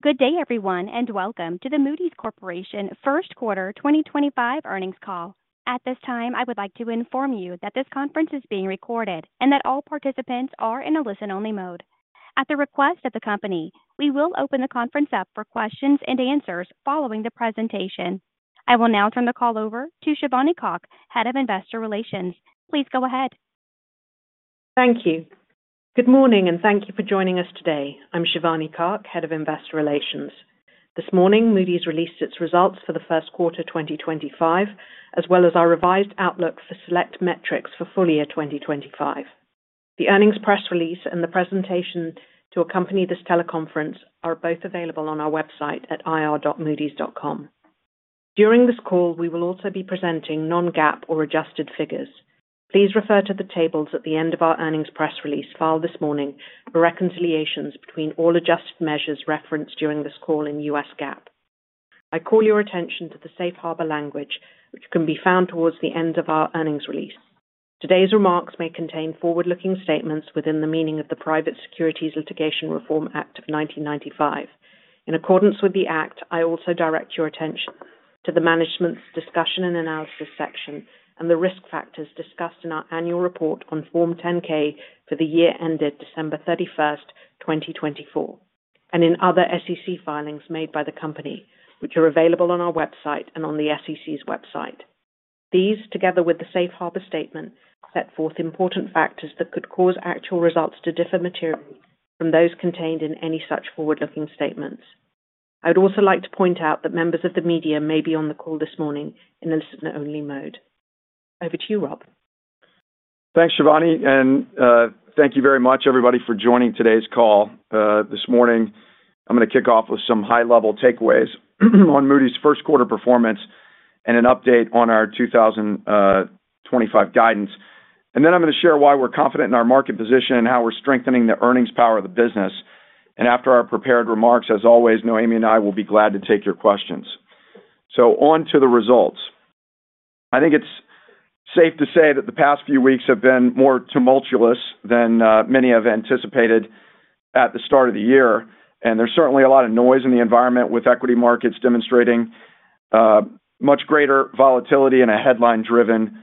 Good day, everyone, and welcome to the Moody's Corporation First Quarter 2025 earnings call. At this time, I would like to inform you that this conference is being recorded and that all participants are in a listen-only mode. At the request of the company, we will open the conference up for questions and answers following the presentation. I will now turn the call over to Shivani Kak, Head of Investor Relations. Please go ahead. Thank you. Good morning, and thank you for joining us today. I'm Shivani Kak, Head of Investor Relations. This morning, Moody's Corporation released its results for the first quarter 2025, as well as our revised outlook for select metrics for full year 2025. The earnings press release and the presentation to accompany this teleconference are both available on our website at ir.moodys.com. During this call, we will also be presenting non-GAAP or adjusted figures. Please refer to the tables at the end of our earnings press release filed this morning for reconciliations between all adjusted measures referenced during this call in U.S. GAAP. I call your attention to the safe harbor language, which can be found towards the end of our earnings release. Today's remarks may contain forward-looking statements within the meaning of the Private Securities Litigation Reform Act of 1995. In accordance with the act, I also direct your attention to the management's discussion and analysis section and the risk factors discussed in our annual report on Form 10-K for the year ended December 31, 2024, and in other SEC filings made by the company, which are available on our website and on the SEC's website. These, together with the safe harbor statement, set forth important factors that could cause actual results to differ materially from those contained in any such forward-looking statements. I would also like to point out that members of the media may be on the call this morning in a listen-only mode. Over to you, Rob. Thanks, Shivani, and thank you very much, everybody, for joining today's call. This morning, I'm going to kick off with some high-level takeaways on Moody's Corporation first quarter performance and an update on our 2025 guidance. Then I'm going to share why we're confident in our market position and how we're strengthening the earnings power of the business. After our prepared remarks, as always, Noémie Heuland and I will be glad to take your questions. On to the results. I think it's safe to say that the past few weeks have been more tumultuous than many have anticipated at the start of the year. There's certainly a lot of noise in the environment with equity markets demonstrating much greater volatility in a headline-driven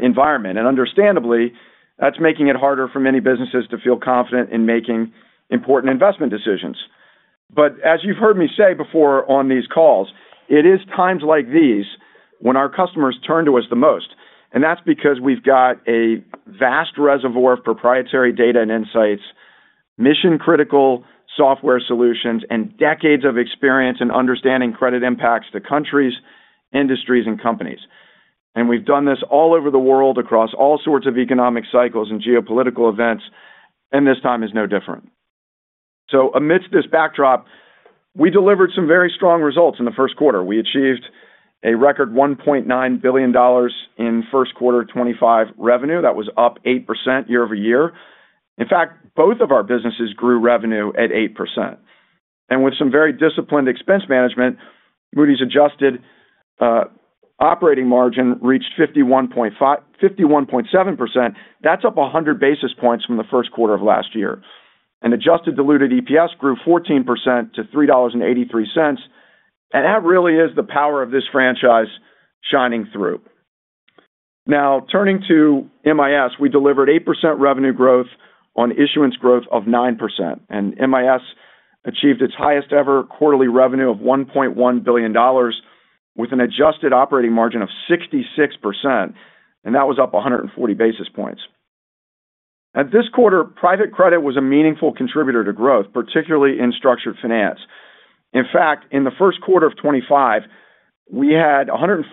environment. Understandably, that's making it harder for many businesses to feel confident in making important investment decisions. As you've heard me say before on these calls, it is times like these when our customers turn to us the most. That's because we've got a vast reservoir of proprietary data and insights, mission-critical software solutions, and decades of experience in understanding credit impacts to countries, industries, and companies. We've done this all over the world, across all sorts of economic cycles and geopolitical events, and this time is no different. Amidst this backdrop, we delivered some very strong results in the first quarter. We achieved a record $1.9 billion in first quarter 2025 revenue. That was up 8% year over year. In fact, both of our businesses grew revenue at 8%. With some very disciplined expense management, Moody's adjusted operating margin reached 51.7%. That's up 100 basis points from the first quarter of last year. Adjusted diluted EPS grew 14% to $3.83. That really is the power of this franchise shining through. Now, turning to MIS, we delivered 8% revenue growth on issuance growth of 9%. MIS achieved its highest-ever quarterly revenue of $1.1 billion with an adjusted operating margin of 66%. That was up 140 basis points. At this quarter, private credit was a meaningful contributor to growth, particularly in structured finance. In fact, in the first quarter of 2025, we had 143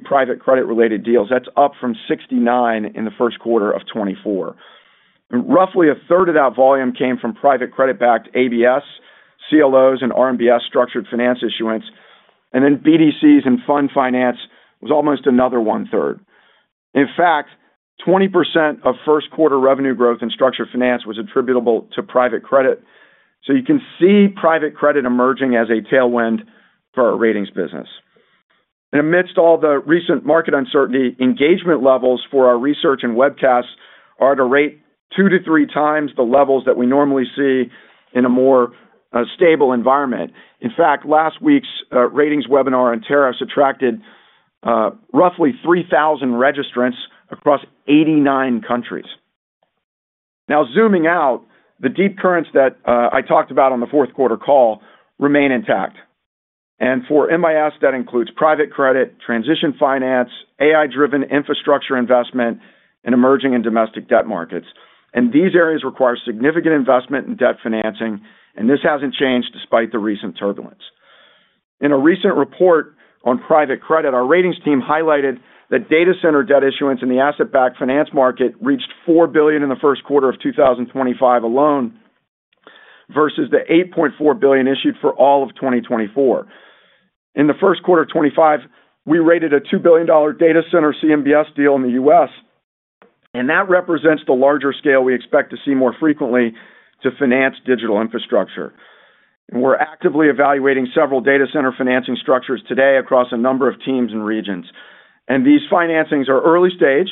private credit-related deals. That is up from 69 in the first quarter of 2024. Roughly a third of that volume came from private credit-backed ABS, CLOs, and RMBS structured finance issuance. BDCs and fund finance was almost another one-third. In fact, 20% of first quarter revenue growth in structured finance was attributable to private credit. You can see private credit emerging as a tailwind for our ratings business. Amidst all the recent market uncertainty, engagement levels for our research and webcasts are at a rate two to three times the levels that we normally see in a more stable environment. In fact, last week's ratings webinar on tariffs attracted roughly 3,000 registrants across 89 countries. Zooming out, the deep currents that I talked about on the fourth quarter call remain intact. For MIS, that includes private credit, transition finance, AI-driven infrastructure investment, and emerging and domestic debt markets. These areas require significant investment in debt financing, and this has not changed despite the recent turbulence. In a recent report on private credit, our ratings team highlighted that data center debt issuance in the asset-backed finance market reached $4 billion in the first quarter of 2025 alone versus the $8.4 billion issued for all of 2024. In the first quarter of 2025, we rated a $2 billion data center CMBS deal in the US, and that represents the larger scale we expect to see more frequently to finance digital infrastructure. We are actively evaluating several data center financing structures today across a number of teams and regions. These financings are early stage,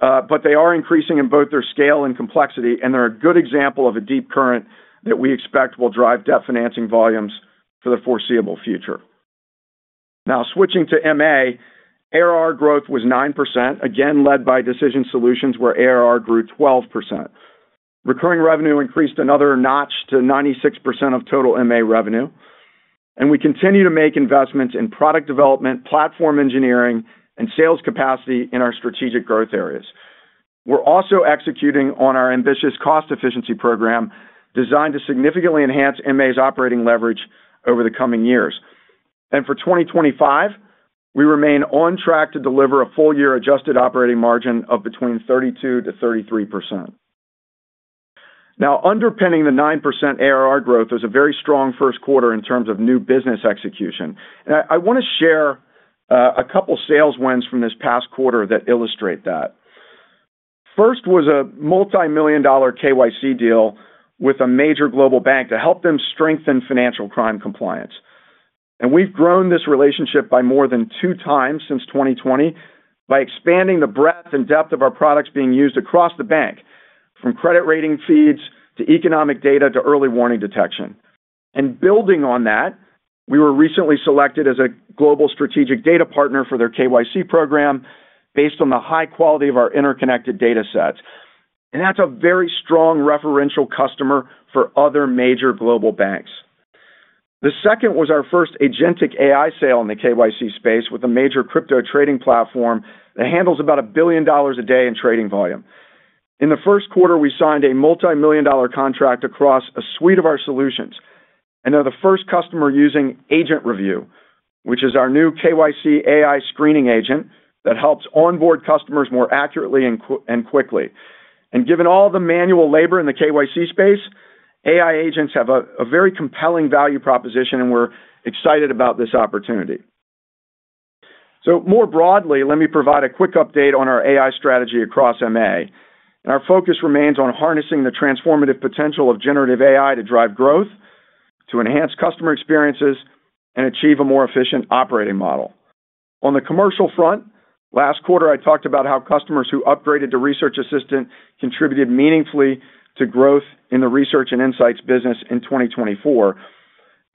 but they are increasing in both their scale and complexity, and they are a good example of a deep current that we expect will drive debt financing volumes for the foreseeable future. Now, switching to MA, ARR growth was 9%, again led by Decision Solutions, where ARR grew 12%. Recurring revenue increased another notch to 96% of total MA revenue. We continue to make investments in product development, platform engineering, and sales capacity in our strategic growth areas. We're also executing on our ambitious cost efficiency program designed to significantly enhance MA's operating leverage over the coming years. For 2025, we remain on track to deliver a full year adjusted operating margin of between 32%-33%. Now, underpinning the 9% ARR growth is a very strong first quarter in terms of new business execution. I want to share a couple of sales wins from this past quarter that illustrate that. First was a multi-million dollar KYC deal with a major global bank to help them strengthen financial crime compliance. We've grown this relationship by more than two times since 2020 by expanding the breadth and depth of our products being used across the bank, from credit rating feeds to economic data to early warning detection. Building on that, we were recently selected as a global strategic data partner for their KYC program based on the high quality of our interconnected data sets. That is a very strong referential customer for other major global banks. The second was our first agentic AI sale in the KYC space with a major crypto trading platform that handles about $1 billion a day in trading volume. In the first quarter, we signed a multi-million dollar contract across a suite of our solutions. They are the first customer using agent review, which is our new KYC AI screening agent that helps onboard customers more accurately and quickly. Given all the manual labor in the KYC space, AI agents have a very compelling value proposition, and we are excited about this opportunity. More broadly, let me provide a quick update on our AI strategy across MA. Our focus remains on harnessing the transformative potential of generative AI to drive growth, to enhance customer experiences, and achieve a more efficient operating model. On the commercial front, last quarter, I talked about how customers who upgraded to Research Assistant contributed meaningfully to growth in the Research and Insights business in 2024.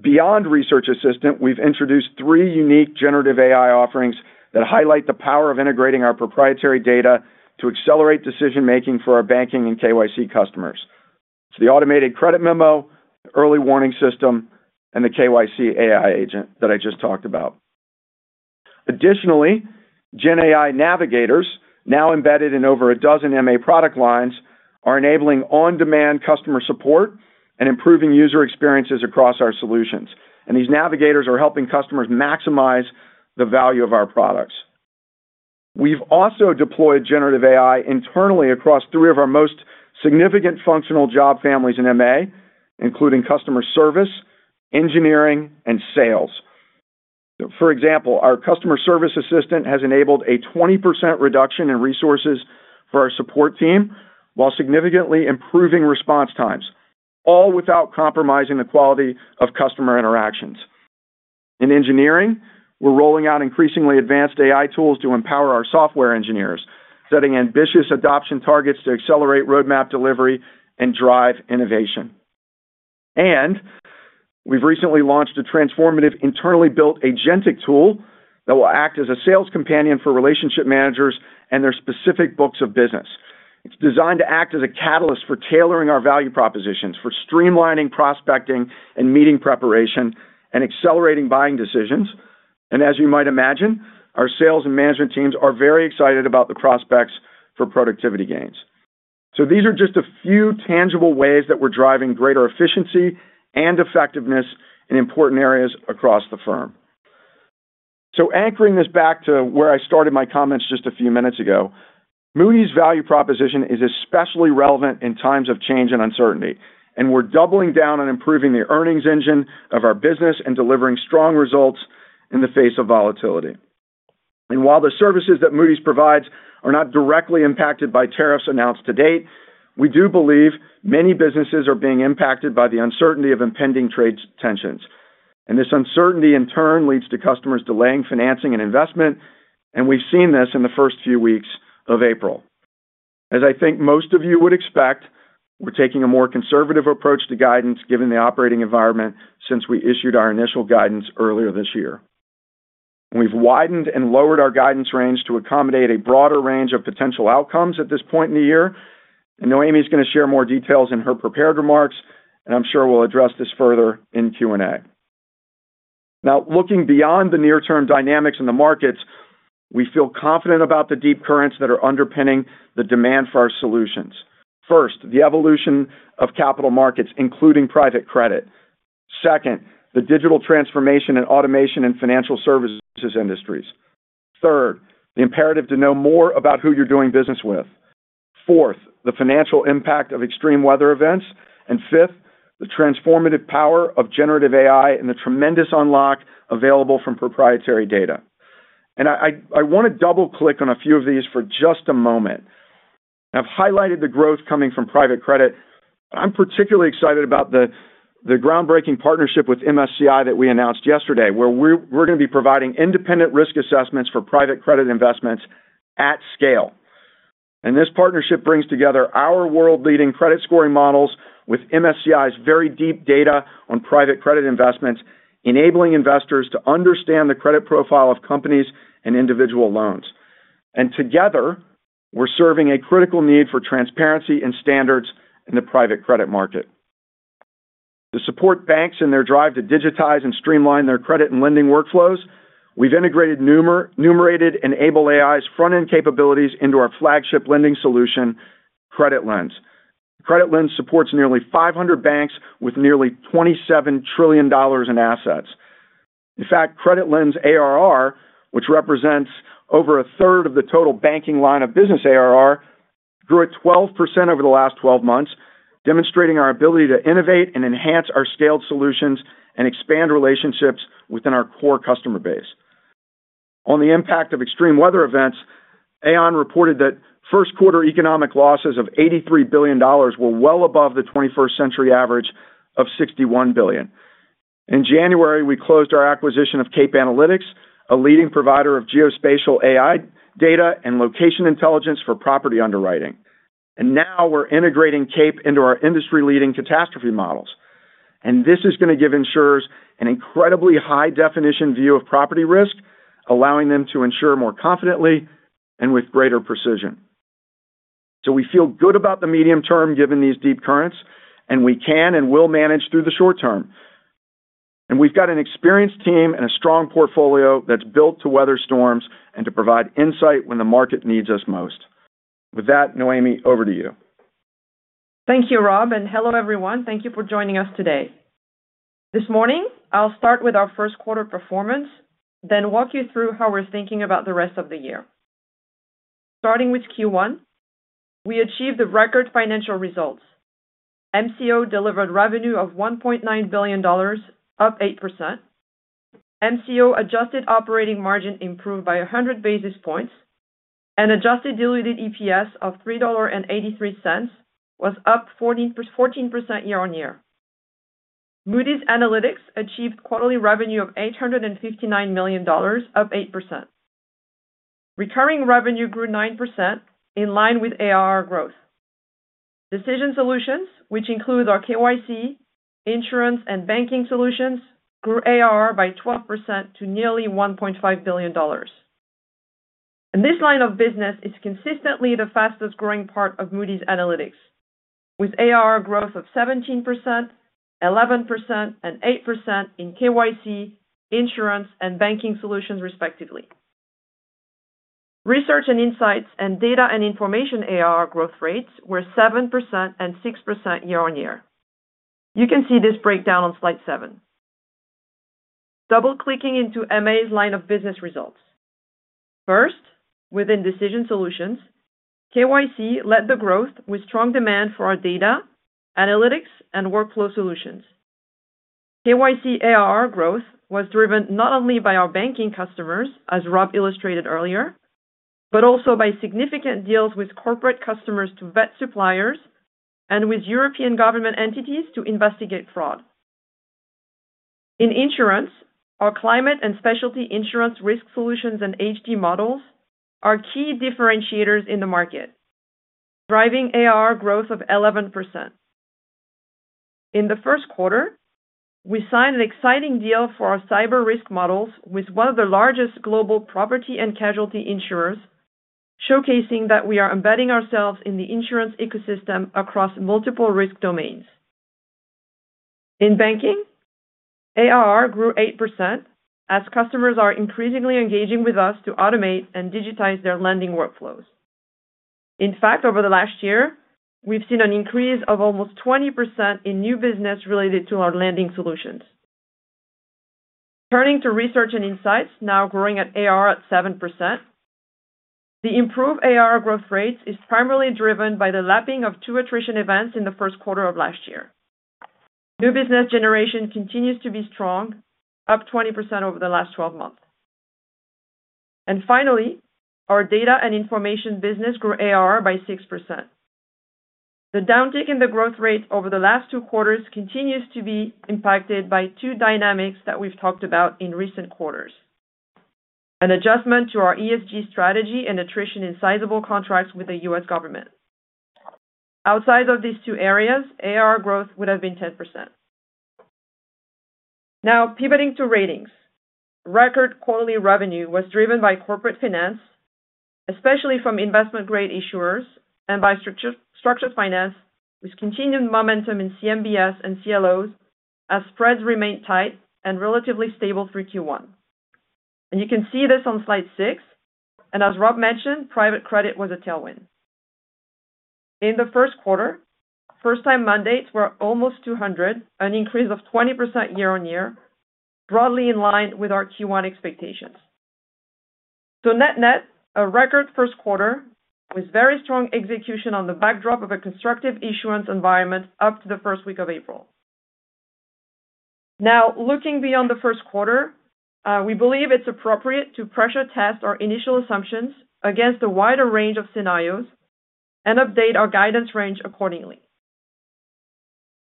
Beyond Research Assistant, we have introduced three unique generative AI offerings that highlight the power of integrating our proprietary data to accelerate decision-making for our banking and KYC customers. It is the automated credit memo, the early warning system, and the KYC AI agent that I just talked about. Additionally, GenAI Navigators, now embedded in over a dozen MA product lines, are enabling on-demand customer support and improving user experiences across our solutions. These navigators are helping customers maximize the value of our products. have also deployed generative AI internally across three of our most significant functional job families in MA, including customer service, engineering, and sales. For example, our customer service assistant has enabled a 20% reduction in resources for our support team while significantly improving response times, all without compromising the quality of customer interactions. In engineering, we are rolling out increasingly advanced AI tools to empower our software engineers, setting ambitious adoption targets to accelerate roadmap delivery and drive innovation. We have recently launched a transformative internally built agentic tool that will act as a sales companion for relationship managers and their specific books of business. It is designed to act as a catalyst for tailoring our value propositions, for streamlining prospecting and meeting preparation, and accelerating buying decisions. As you might imagine, our sales and management teams are very excited about the prospects for productivity gains. These are just a few tangible ways that we're driving greater efficiency and effectiveness in important areas across the firm. Anchoring this back to where I started my comments just a few minutes ago, Moody's value proposition is especially relevant in times of change and uncertainty. We're doubling down on improving the earnings engine of our business and delivering strong results in the face of volatility. While the services that Moody's provides are not directly impacted by tariffs announced to date, we do believe many businesses are being impacted by the uncertainty of impending trade tensions. This uncertainty, in turn, leads to customers delaying financing and investment. We've seen this in the first few weeks of April. As I think most of you would expect, we're taking a more conservative approach to guidance given the operating environment since we issued our initial guidance earlier this year. We've widened and lowered our guidance range to accommodate a broader range of potential outcomes at this point in the year. Noémie Heuland is going to share more details in her prepared remarks, and I'm sure we'll address this further in Q&A. Now, looking beyond the near-term dynamics in the markets, we feel confident about the deep currents that are underpinning the demand for our solutions. First, the evolution of capital markets, including private credit. Second, the digital transformation and automation in financial services industries. Third, the imperative to know more about who you're doing business with. Fourth, the financial impact of extreme weather events. Fifth, the transformative power of generative AI and the tremendous unlock available from proprietary data. I want to double-click on a few of these for just a moment. I've highlighted the growth coming from private credit, but I'm particularly excited about the groundbreaking partnership with MSCI that we announced yesterday, where we're going to be providing independent risk assessments for private credit investments at scale. This partnership brings together our world-leading credit scoring models with MSCI's very deep data on private credit investments, enabling investors to understand the credit profile of companies and individual loans. Together, we're serving a critical need for transparency and standards in the private credit market. To support banks in their drive to digitize and streamline their credit and lending workflows, we've integrated enabled AI's front-end capabilities into our flagship lending solution, Credit Lens. Credit Lens supports nearly 500 banks with nearly $27 trillion in assets. In fact, Credit Lens ARR, which represents over a third of the total banking line of business ARR, grew at 12% over the last 12 months, demonstrating our ability to innovate and enhance our scaled solutions and expand relationships within our core customer base. On the impact of extreme weather events, Aon reported that first quarter economic losses of $83 billion were well above the 21st-century average of $61 billion. In January, we closed our acquisition of Kape Analytics, a leading provider of geospatial AI data and location intelligence for property underwriting. We are now integrating Kape into our industry-leading catastrophe models. This is going to give insurers an incredibly high-definition view of property risk, allowing them to insure more confidently and with greater precision. We feel good about the medium term given these deep currents, and we can and will manage through the short term. We have an experienced team and a strong portfolio that's built to weather storms and to provide insight when the market needs us most. With that, Noémie Heuland, over to you. Thank you, Rob, and hello, everyone. Thank you for joining us today. This morning, I'll start with our first quarter performance, then walk you through how we're thinking about the rest of the year. Starting with Q1, we achieved record financial results. MCO delivered revenue of $1.9 billion, up 8%. MCO adjusted operating margin improved by 100 basis points, and adjusted diluted EPS of $3.83 was up 14% year-on-year. Moody's Analytics achieved quarterly revenue of $859 million, up 8%. Recurring revenue grew 9% in line with ARR growth. Decision Solutions, which includes our KYC, insurance, and banking solutions, grew ARR by 12% to nearly $1.5 billion. This line of business is consistently the fastest-growing part of Moody's Analytics, with ARR growth of 17%, 11%, and 8% in KYC, insurance, and banking solutions, respectively. Research and insights and data and information ARR growth rates were 7% and 6% year-on-year. You can see this breakdown on slide 7. Double-clicking into MA's line of business results. First, within Decision Solutions, KYC led the growth with strong demand for our data, analytics, and workflow solutions. KYC ARR growth was driven not only by our banking customers, as Rob illustrated earlier, but also by significant deals with corporate customers to vet suppliers and with European government entities to investigate fraud. In insurance, our climate and specialty insurance risk solutions and HD models are key differentiators in the market, driving ARR growth of 11%. In the first quarter, we signed an exciting deal for our cyber risk models with one of the largest global property and casualty insurers, showcasing that we are embedding ourselves in the insurance ecosystem across multiple risk domains. In banking, ARR grew 8% as customers are increasingly engaging with us to automate and digitize their lending workflows. In fact, over the last year, we've seen an increase of almost 20% in new business related to our lending solutions. Turning to research and insights, now growing at ARR at 7%, the improved ARR growth rates is primarily driven by the lapping of two attrition events in the first quarter of last year. New business generation continues to be strong, up 20% over the last 12 months. Finally, our data and information business grew ARR by 6%. The downtick in the growth rate over the last two quarters continues to be impacted by two dynamics that we've talked about in recent quarters: an adjustment to our ESG strategy and attrition in sizable contracts with the U.S. government. Outside of these two areas, ARR growth would have been 10%. Now, pivoting to ratings, record quarterly revenue was driven by corporate finance, especially from investment-grade issuers, and by structured finance with continued momentum in CMBS and CLOs as spreads remained tight and relatively stable through Q1. You can see this on slide 6. As Rob mentioned, private credit was a tailwind. In the first quarter, first-time mandates were almost 200, an increase of 20% year-on-year, broadly in line with our Q1 expectations. Net-net, a record first quarter with very strong execution on the backdrop of a constructive issuance environment up to the first week of April. Now, looking beyond the first quarter, we believe it's appropriate to pressure test our initial assumptions against a wider range of scenarios and update our guidance range accordingly.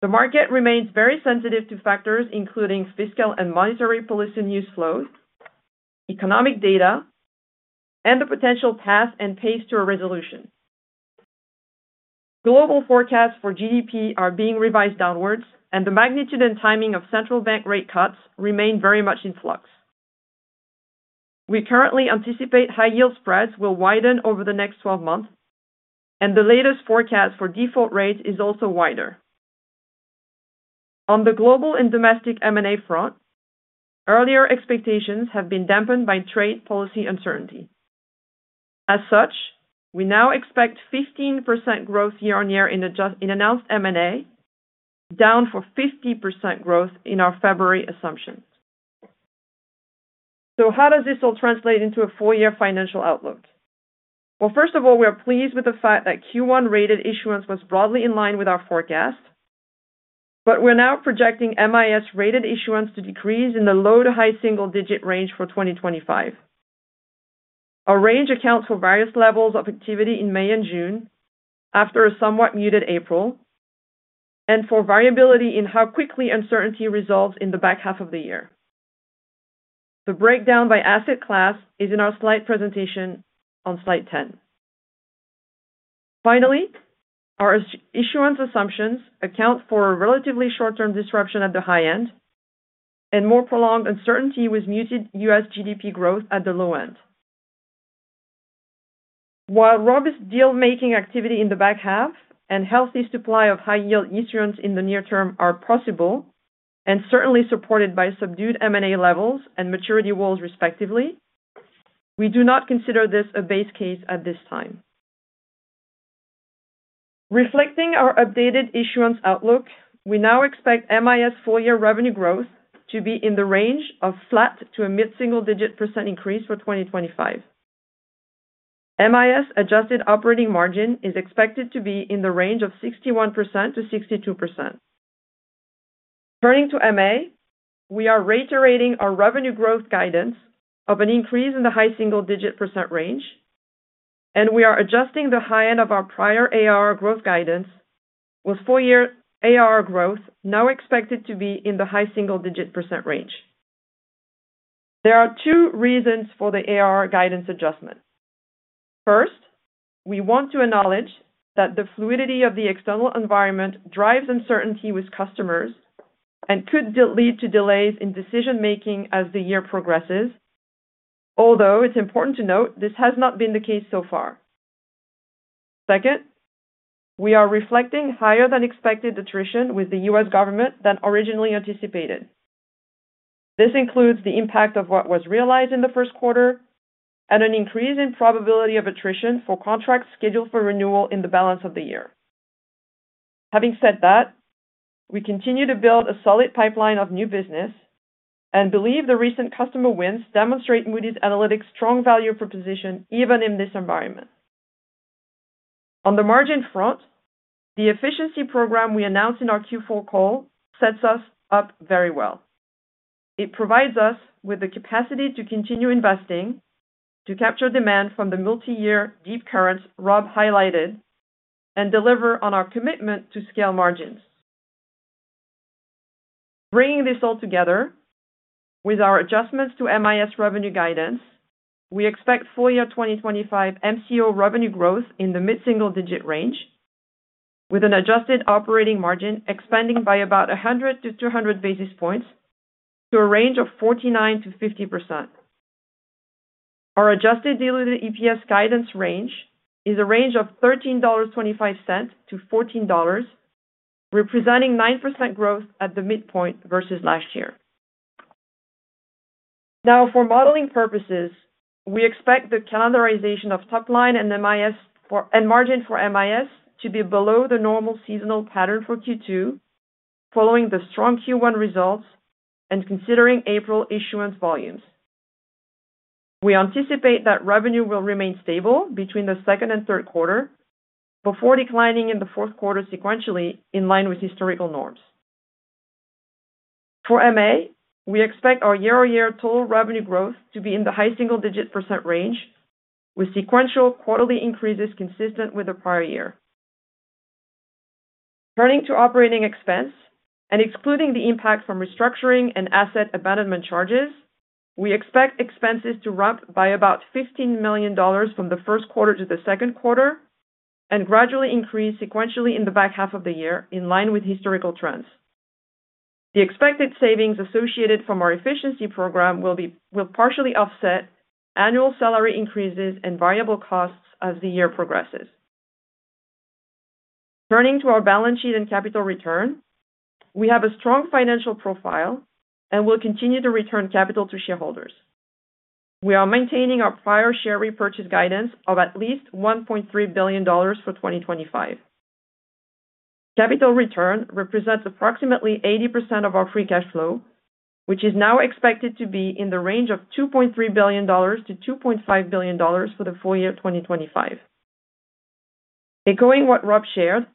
The market remains very sensitive to factors including fiscal and monetary policy news flows, economic data, and the potential path and pace to a resolution. Global forecasts for GDP are being revised downwards, and the magnitude and timing of central bank rate cuts remain very much in flux. We currently anticipate high-yield spreads will widen over the next 12 months, and the latest forecast for default rates is also wider. On the global and domestic M&A front, earlier expectations have been dampened by trade policy uncertainty. As such, we now expect 15% growth year-on-year in announced M&A, down from 50% growth in our February assumptions. How does this all translate into a four-year financial outlook? First of all, we're pleased with the fact that Q1-rated issuance was broadly in line with our forecast, but we're now projecting MIS-rated issuance to decrease in the low to high single-digit range for 2025. Our range accounts for various levels of activity in May and June, after a somewhat muted April, and for variability in how quickly uncertainty resolves in the back half of the year. The breakdown by asset class is in our slide presentation on slide 10. Finally, our issuance assumptions account for a relatively short-term disruption at the high end and more prolonged uncertainty with muted US GDP growth at the low end. While Rob's deal-making activity in the back half and healthy supply of high-yield issuance in the near term are possible and certainly supported by subdued M&A levels and maturity walls, respectively, we do not consider this a base case at this time. Reflecting our updated issuance outlook, we now expect MIS four-year revenue growth to be in the range of flat to a mid-single-digit % increase for 2025. MIS adjusted operating margin is expected to be in the range of 61%-62%. Turning to MA, we are reiterating our revenue growth guidance of an increase in the high single-digit % range, and we are adjusting the high end of our prior ARR growth guidance with four-year ARR growth now expected to be in the high single-digit % range. There are two reasons for the ARR guidance adjustment. First, we want to acknowledge that the fluidity of the external environment drives uncertainty with customers and could lead to delays in decision-making as the year progresses, although it's important to note this has not been the case so far. Second, we are reflecting higher-than-expected attrition with the US government than originally anticipated. This includes the impact of what was realized in the first quarter and an increase in probability of attrition for contracts scheduled for renewal in the balance of the year. Having said that, we continue to build a solid pipeline of new business and believe the recent customer wins demonstrate Moody's Analytics' strong value proposition even in this environment. On the margin front, the efficiency program we announced in our Q4 call sets us up very well. It provides us with the capacity to continue investing, to capture demand from the multi-year deep currents Rob highlighted, and deliver on our commitment to scale margins. Bringing this all together, with our adjustments to MIS revenue guidance, we expect full-year 2025 MCO revenue growth in the mid-single-digit range, with an adjusted operating margin expanding by about 100 to 200 basis points to a range of 49% to 50%. Our adjusted diluted EPS guidance range is a range of $13.25-$14, representing 9% growth at the midpoint versus last year. Now, for modeling purposes, we expect the calendarization of top line and margin for MIS to be below the normal seasonal pattern for Q2, following the strong Q1 results and considering April issuance volumes. We anticipate that revenue will remain stable between the second and third quarter before declining in the fourth quarter sequentially in line with historical norms. For MA, we expect our year-on-year total revenue growth to be in the high single-digit % range, with sequential quarterly increases consistent with the prior year. Turning to operating expense, and excluding the impact from restructuring and asset abandonment charges, we expect expenses to ramp by about $15 million from the first quarter to the second quarter and gradually increase sequentially in the back half of the year in line with historical trends. The expected savings associated from our efficiency program will partially offset annual salary increases and variable costs as the year progresses. Turning to our balance sheet and capital return, we have a strong financial profile and will continue to return capital to shareholders. We are maintaining our prior share repurchase guidance of at least $1.3 billion for 2025. Capital return represents approximately 80% of our free cash flow, which is now expected to be in the range of $2.3 billion-$2.5 billion for the full year of 2025. Echoing what Rob shared,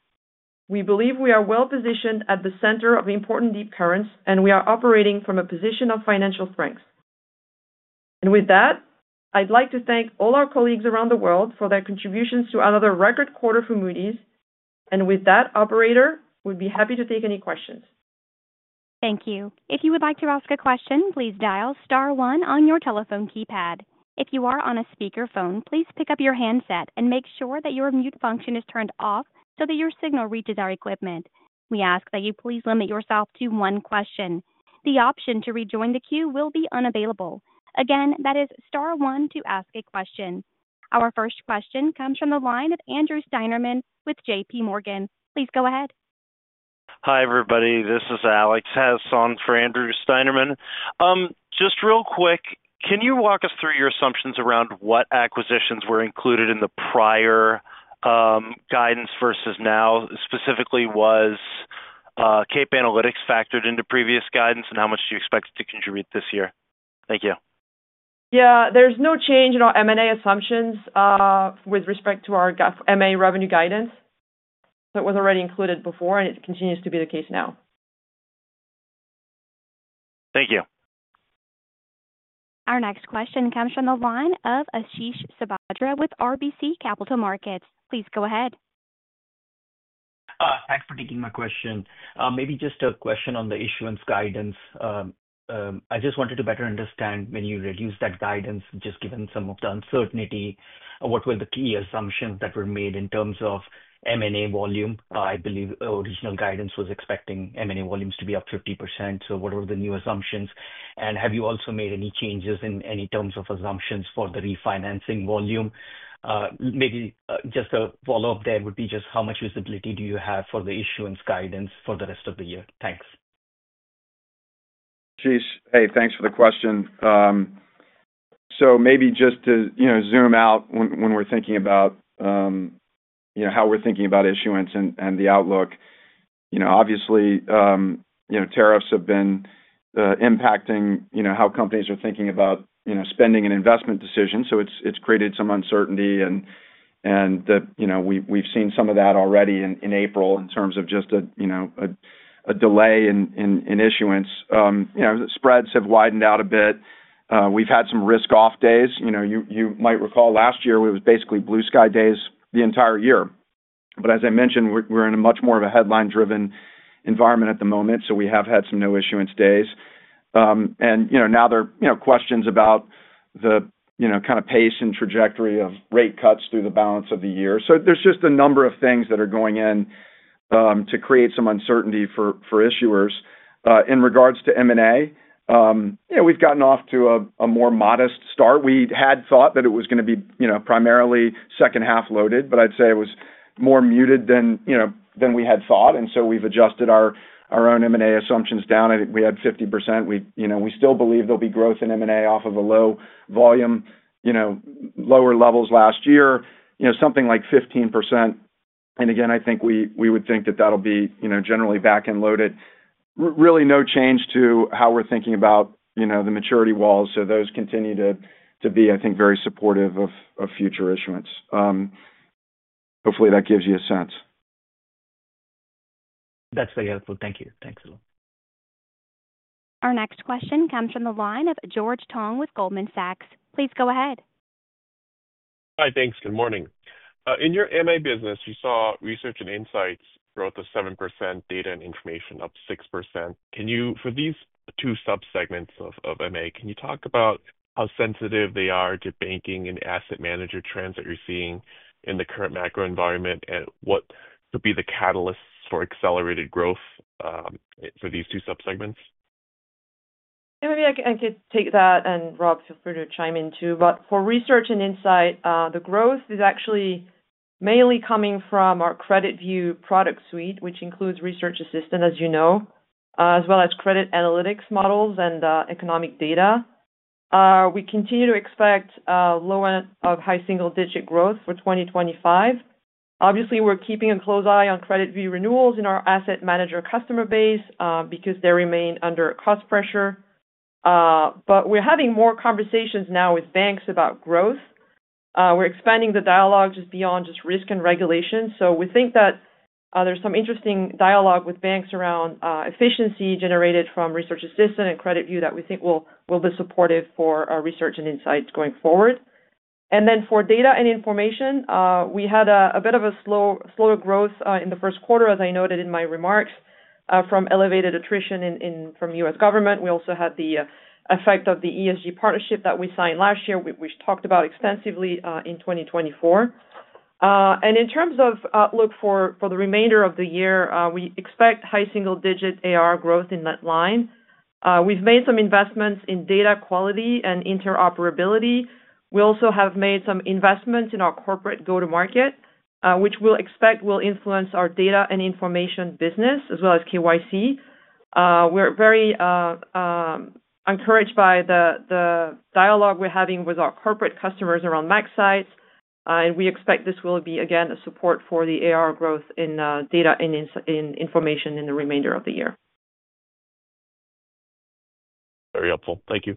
we believe we are well-positioned at the center of important deep currents and we are operating from a position of financial strength. With that, I'd like to thank all our colleagues around the world for their contributions to another record quarter for Moody's, and with that, Operator, we'd be happy to take any questions. Thank you. If you would like to ask a question, please dial star one on your telephone keypad. If you are on a speakerphone, please pick up your handset and make sure that your mute function is turned off so that your signal reaches our equipment. We ask that you please limit yourself to one question. The option to rejoin the queue will be unavailable. Again, that is star one to ask a question. Our first question comes from the line of Andrew Steinerman with JPMorgan. Please go ahead. Hi everybody, this is Alex. Has song for Andrew Steinerman. Just real quick, can you walk us through your assumptions around what acquisitions were included in the prior guidance versus now? Specifically, was Cape Analytics factored into previous guidance, and how much do you expect it to contribute this year? Thank you. Yeah, there's no change in our M&A assumptions with respect to our M&A revenue guidance. So it was already included before and it continues to be the case now. Thank you. Our next question comes from the line of Ashish Sabadra with RBC Capital Markets. Please go ahead. Thanks for taking my question. Maybe just a question on the issuance guidance. I just wanted to better understand when you reduce that guidance, just given some of the uncertainty, what were the key assumptions that were made in terms of M&A volume? I believe original guidance was expecting M&A volumes to be up 50%, so what were the new assumptions? Have you also made any changes in any terms of assumptions for the refinancing volume? Maybe just a follow-up there would be just how much visibility do you have for the issuance guidance for the rest of the year? Thanks. Geez, hey, thanks for the question. Maybe just to zoom out when we're thinking about how we're thinking about issuance and the outlook. Obviously, tariffs have been impacting how companies are thinking about spending and investment decisions, so it's created some uncertainty, and we've seen some of that already in April in terms of just a delay in issuance. Spreads have widened out a bit. We've had some risk-off days. You might recall last year we was basically blue sky days the entire year. As I mentioned, we're in much more of a headline-driven environment at the moment, so we have had some no-issuance days. Now there are questions about the kind of pace and trajectory of rate cuts through the balance of the year. There are just a number of things that are going in to create some uncertainty for issuers. In regards to M&A, we've gotten off to a more modest start. We had thought that it was going to be primarily second-half loaded, but I'd say it was more muted than we had thought, and we have adjusted our own M&A assumptions down. I think we had 50%. We still believe there will be growth in M&A off of a low volume, lower levels last year, something like 15%. Again, I think we would think that that will be generally back-end loaded. Really no change to how we're thinking about the maturity walls, so those continue to be, I think, very supportive of future issuance. Hopefully, that gives you a sense. That's very helpful. Thank you. Thanks a lot. Our next question comes from the line of George Tong with Goldman Sachs. Please go ahead. Hi, thanks. Good morning. In your M&A business, you saw research and insights growth of 7%, data and information up 6%. For these two subsegments of M&A, can you talk about how sensitive they are to banking and asset manager trends that you're seeing in the current macro environment, and what could be the catalysts for accelerated growth for these two subsegments? Yeah, maybe I could take that, and Rob, feel free to chime in too. For research and insight, the growth is actually mainly coming from our CreditView product suite, which includes Research Assistant, as you know, as well as credit analytics models and economic data. We continue to expect low to high single-digit growth for 2025. Obviously, we're keeping a close eye on CreditView renewals in our asset manager customer base because they remain under cost pressure. We're having more conversations now with banks about growth. We're expanding the dialogue just beyond just risk and regulation. We think that there's some interesting dialogue with banks around efficiency generated from Research Assistant and CreditView that we think will be supportive for our research and insights going forward. For data and information, we had a bit of a slower growth in the first quarter, as I noted in my remarks, from elevated attrition from US government. We also had the effect of the ESG partnership that we signed last year, which we talked about extensively in 2024. In terms of outlook for the remainder of the year, we expect high single-digit AR growth in that line. We've made some investments in data quality and interoperability. We also have made some investments in our corporate go-to-market, which we expect will influence our Data and Information business, as well as KYC. We're very encouraged by the dialogue we're having with our corporate customers around Maxite, and we expect this will be, again, a support for the AR growth in Data and Information in the remainder of the year. Very helpful. Thank you.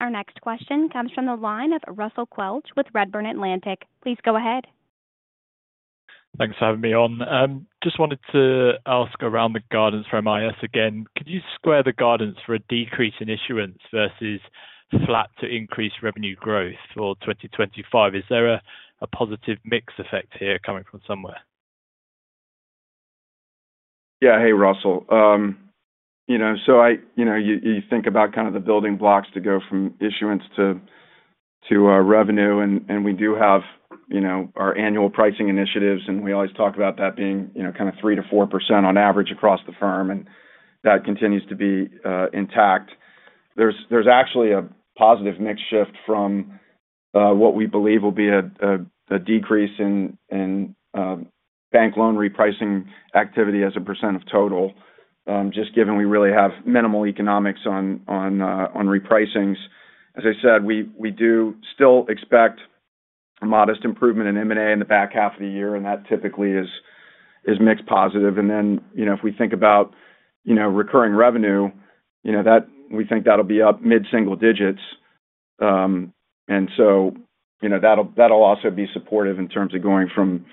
Our next question comes from the line of Russell Quelch with Redburn Atlantic. Please go ahead. Thanks for having me on. Just wanted to ask around the guidance for MIS again. Could you square the guidance for a decrease in issuance versus flat to increase revenue growth for 2025? Is there a positive mix effect here coming from somewhere? Yeah, hey, Russell. You think about kind of the building blocks to go from issuance to revenue, and we do have our annual pricing initiatives, and we always talk about that being kind of 3-4% on average across the firm, and that continues to be intact. There's actually a positive mix shift from what we believe will be a decrease in bank loan repricing activity as a percent of total, just given we really have minimal economics on repricings. As I said, we do still expect a modest improvement in M&A in the back half of the year, and that typically is mix positive. If we think about recurring revenue, we think that'll be up mid-single digits. That'll also be supportive in terms of going from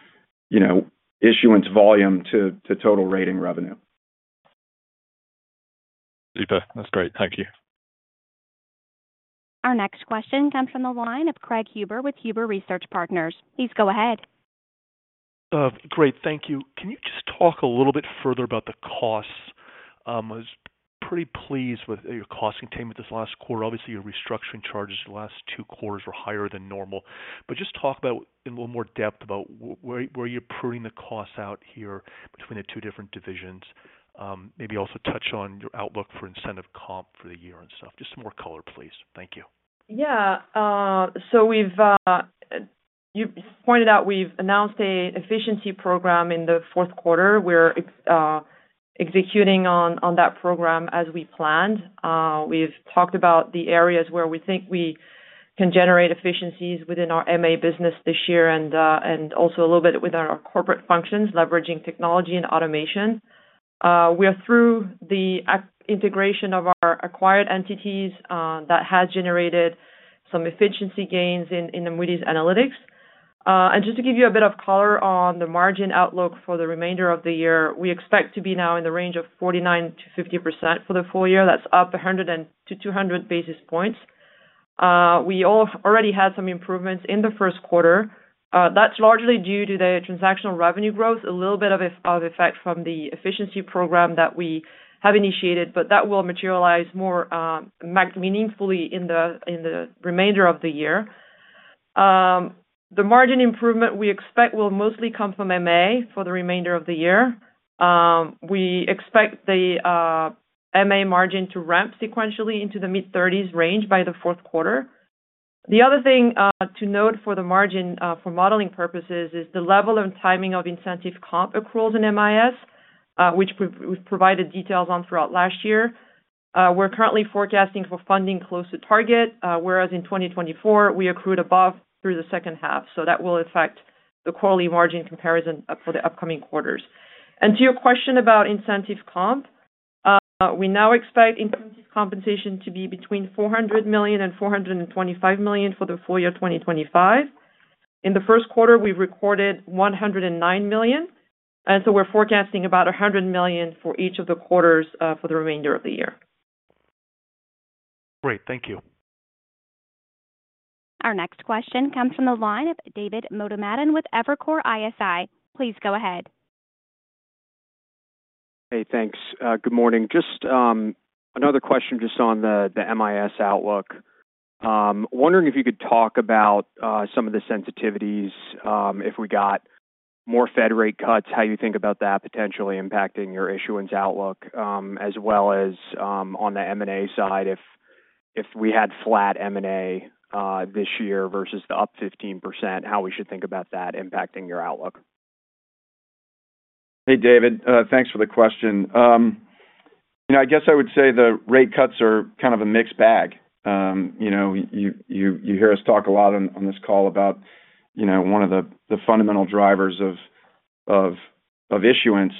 issuance volume to total rating revenue. Super. That's great. Thank you. Our next question comes from the line of Craig Huber with Huber Research Partners. Please go ahead. Great. Thank you. Can you just talk a little bit further about the costs? I was pretty pleased with your cost containment this last quarter. Obviously, your restructuring charges the last two quarters were higher than normal. Just talk about in a little more depth about where you're pruning the costs out here between the two different divisions. Maybe also touch on your outlook for incentive comp for the year and stuff. Just some more color, please. Thank you. Yeah. You pointed out we've announced an efficiency program in the fourth quarter. We're executing on that program as we planned. We've talked about the areas where we think we can generate efficiencies within our M&A business this year and also a little bit within our corporate functions, leveraging technology and automation. We are through the integration of our acquired entities that has generated some efficiency gains in Moody's Analytics. Just to give you a bit of color on the margin outlook for the remainder of the year, we expect to be now in the range of 49-50% for the full year. That's up 100-200 basis points. We already had some improvements in the first quarter. That's largely due to the transactional revenue growth, a little bit of effect from the efficiency program that we have initiated, but that will materialize more meaningfully in the remainder of the year. The margin improvement we expect will mostly come from M&A for the remainder of the year. We expect the M&A margin to ramp sequentially into the mid-30% range by the fourth quarter. The other thing to note for the margin for modeling purposes is the level and timing of incentive comp accruals in MIS, which we've provided details on throughout last year. We're currently forecasting for funding close to target, whereas in 2024, we accrued above through the second half. That will affect the quarterly margin comparison for the upcoming quarters. To your question about incentive comp, we now expect incentive compensation to be between $400 million and $425 million for the full year 2025. In the first quarter, we recorded $109 million. We're forecasting about $100 million for each of the quarters for the remainder of the year. Great. Thank you. Our next question comes from the line of David Motemaden with Evercore ISI. Please go ahead. Hey, thanks. Good morning. Just another question just on the MIS outlook. Wondering if you could talk about some of the sensitivities if we got more Fed rate cuts, how you think about that potentially impacting your issuance outlook, as well as on the M&A side. If we had flat M&A this year versus the up 15%, how we should think about that impacting your outlook. Hey, David, thanks for the question. I guess I would say the rate cuts are kind of a mixed bag. You hear us talk a lot on this call about one of the fundamental drivers of issuance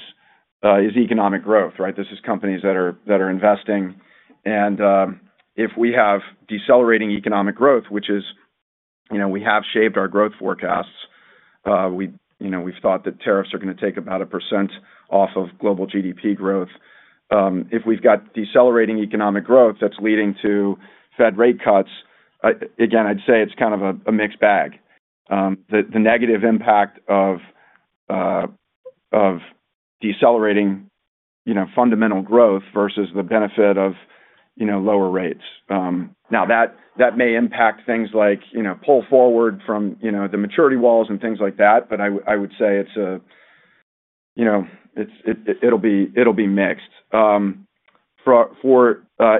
is economic growth, right? This is companies that are investing. If we have decelerating economic growth, which is we have shaped our growth forecasts, we've thought that tariffs are going to take about a percent off of global GDP growth. If we've got decelerating economic growth that's leading to Fed rate cuts, again, I'd say it's kind of a mixed bag. The negative impact of decelerating fundamental growth versus the benefit of lower rates. Now, that may impact things like pull forward from the maturity walls and things like that, but I would say it'll be mixed. For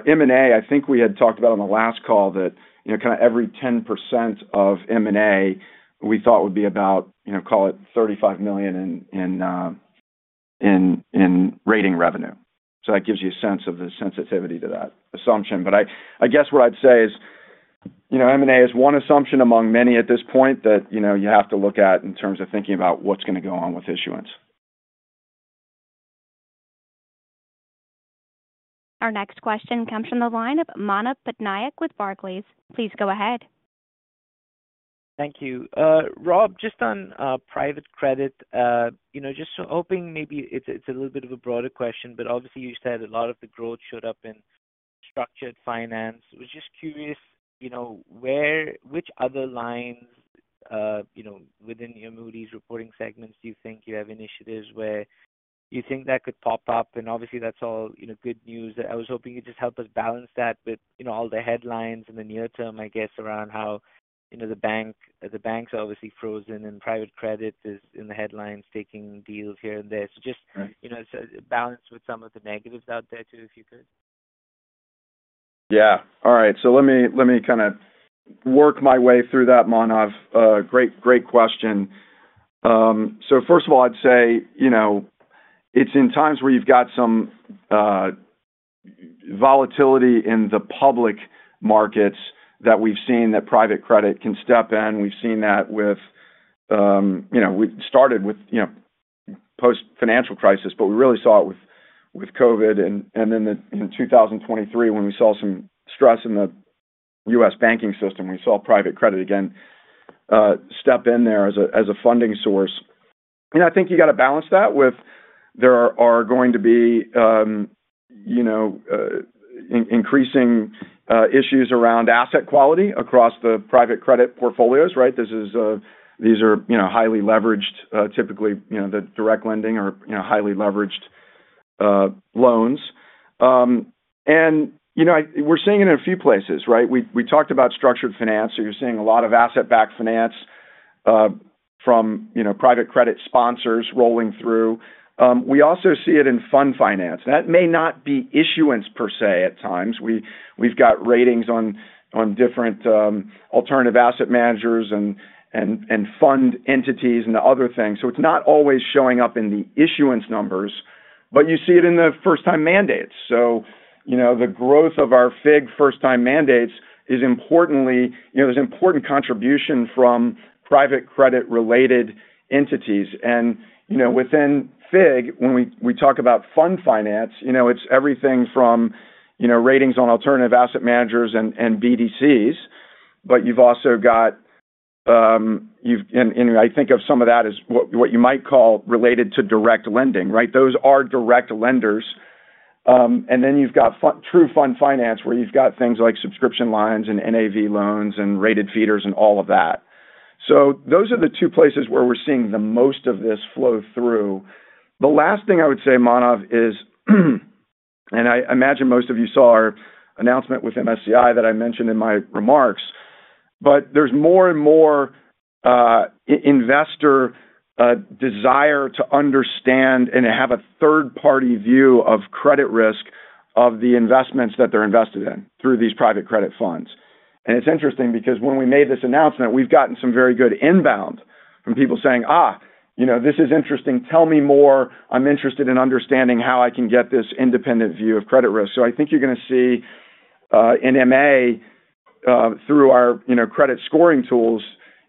M&A, I think we had talked about on the last call that kind of every 10% of M&A we thought would be about, call it $35 million in rating revenue. That gives you a sense of the sensitivity to that assumption. I guess what I'd say is M&A is one assumption among many at this point that you have to look at in terms of thinking about what's going to go on with issuance. Our next question comes from the line of Manav Patnaik with Barclays. Please go ahead. Thank you. Rob, just on private credit, just hoping maybe it's a little bit of a broader question, but obviously, you said a lot of the growth showed up in structured finance. I was just curious which other lines within your Moody's reporting segments do you think you have initiatives where you think that could pop up? Obviously, that's all good news. I was hoping you'd just help us balance that with all the headlines in the near term, I guess, around how the banks are obviously frozen and private credit is in the headlines taking deals here and there. Just balance with some of the negatives out there too, if you could. Yeah. All right. Let me kind of work my way through that, Manav. Great question. First of all, I'd say it's in times where you've got some volatility in the public markets that we've seen that private credit can step in. We've seen that with we started with post-financial crisis, but we really saw it with COVID. In 2023, when we saw some stress in the U.S. banking system, we saw private credit again step in there as a funding source. I think you got to balance that with there are going to be increasing issues around asset quality across the private credit portfolios, right? These are highly leveraged, typically the direct lending or highly leveraged loans. We're seeing it in a few places, right? We talked about structured finance, so you're seeing a lot of asset-backed finance from private credit sponsors rolling through. We also see it in fund finance. That may not be issuance per se at times. We've got ratings on different alternative asset managers and fund entities and other things. It's not always showing up in the issuance numbers, but you see it in the first-time mandates. The growth of our FIG first-time mandates is importantly there's important contribution from private credit-related entities. Within FIG, when we talk about fund finance, it's everything from ratings on alternative asset managers and BDCs, but you've also got and I think of some of that as what you might call related to direct lending, right? Those are direct lenders. Then you've got true fund finance where you've got things like subscription lines and NAV loans and rated feeders and all of that. Those are the two places where we're seeing the most of this flow through. The last thing I would say, Manav, is, and I imagine most of you saw our announcement with MSCI that I mentioned in my remarks, but there is more and more investor desire to understand and have a third-party view of credit risk of the investments that they are invested in through these private credit funds. It is interesting because when we made this announcement, we have gotten some very good inbound from people saying, this is interesting. Tell me more. I am interested in understanding how I can get this independent view of credit risk. I think you are going to see in MA through our credit scoring tools,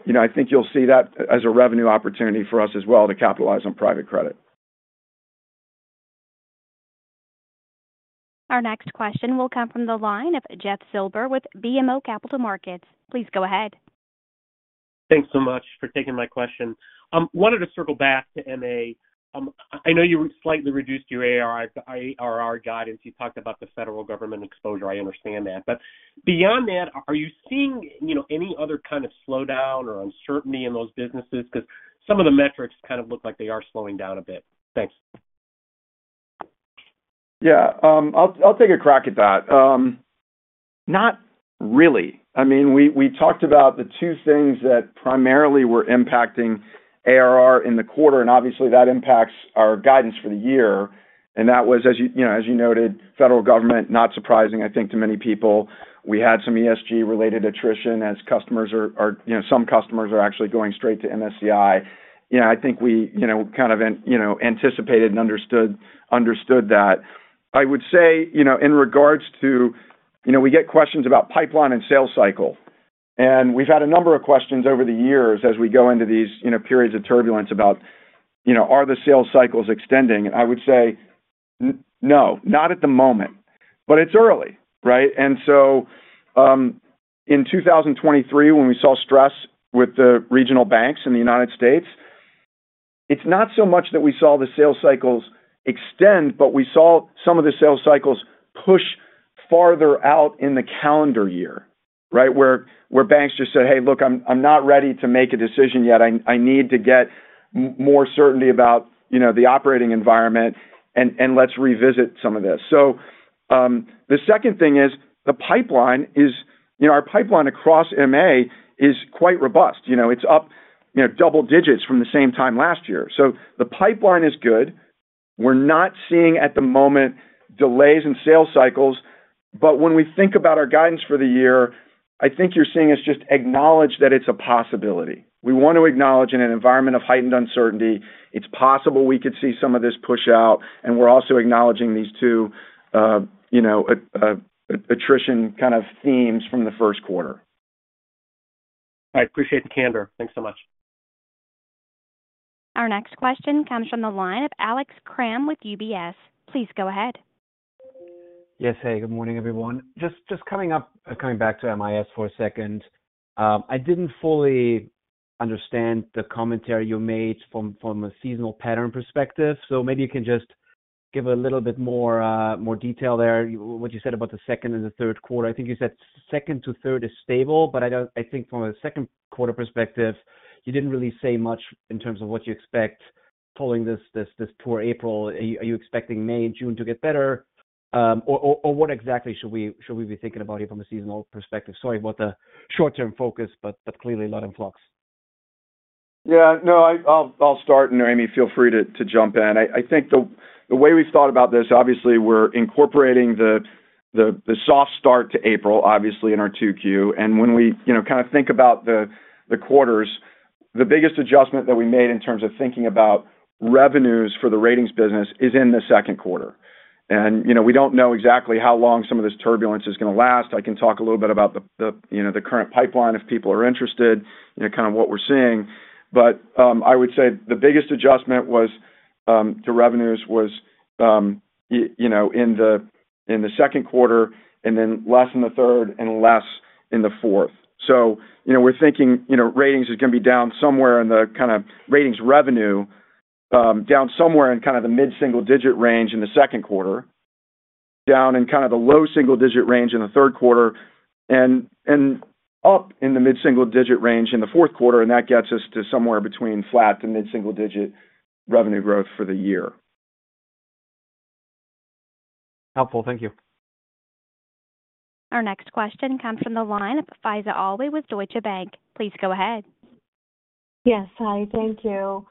I think you will see that as a revenue opportunity for us as well to capitalize on private credit. Our next question will come from the line of Jeff Silber with BMO Capital Markets. Please go ahead. Thanks so much for taking my question. Wanted to circle back to MA. I know you slightly reduced your ARR guidance. You talked about the federal government exposure. I understand that. Beyond that, are you seeing any other kind of slowdown or uncertainty in those businesses? Because some of the metrics kind of look like they are slowing down a bit. Thanks. Yeah. I'll take a crack at that. Not really. I mean, we talked about the two things that primarily were impacting ARR in the quarter, and obviously, that impacts our guidance for the year. That was, as you noted, federal government, not surprising, I think, to many people. We had some ESG-related attrition as some customers are actually going straight to MSCI. I think we kind of anticipated and understood that. I would say in regards to we get questions about pipeline and sales cycle. We have had a number of questions over the years as we go into these periods of turbulence about, "Are the sales cycles extending?" I would say, "No, not at the moment. It is early, right?" In 2023, when we saw stress with the regional banks in the U.S., it is not so much that we saw the sales cycles extend, but we saw some of the sales cycles push farther out in the calendar year, right, where banks just said, "Hey, look, I am not ready to make a decision yet. I need to get more certainty about the operating environment, and let us revisit some of this." The second thing is the pipeline is our pipeline across MA is quite robust. It is up double digits from the same time last year. The pipeline is good. We are not seeing at the moment delays in sales cycles. When we think about our guidance for the year, I think you're seeing us just acknowledge that it's a possibility. We want to acknowledge in an environment of heightened uncertainty, it's possible we could see some of this push out. We're also acknowledging these two attrition kind of themes from the first quarter. I appreciate the candor. Thanks so much. Our next question comes from the line of Alex Kramm with UBS. Please go ahead. Yes. Hey, good morning, everyone. Just coming back to MIS for a second. I didn't fully understand the commentary you made from a seasonal pattern perspective. Maybe you can just give a little bit more detail there. What you said about the second and the third quarter, I think you said second to third is stable, but I think from a second quarter perspective, you did not really say much in terms of what you expect following this poor April. Are you expecting May and June to get better? Or what exactly should we be thinking about here from a seasonal perspective? Sorry about the short-term focus, but clearly a lot in flux. Yeah. No, I will start, and Amy, feel free to jump in. I think the way we have thought about this, obviously, we are incorporating the soft start to April, obviously, in our 2Q. And when we kind of think about the quarters, the biggest adjustment that we made in terms of thinking about revenues for the ratings business is in the second quarter. We do not know exactly how long some of this turbulence is going to last. I can talk a little bit about the current pipeline if people are interested, kind of what we are seeing. I would say the biggest adjustment to revenues was in the second quarter and then less in the third and less in the fourth. We are thinking ratings is going to be down somewhere in the kind of ratings revenue, down somewhere in kind of the mid-single-digit range in the second quarter, down in kind of the low single-digit range in the third quarter, and up in the mid-single-digit range in the fourth quarter. That gets us to somewhere between flat to mid-single-digit revenue growth for the year. Helpful. Thank you. Our next question comes from the line of Faisa Alway with Deutsche Bank. Please go ahead. Yes. Hi. Thank you.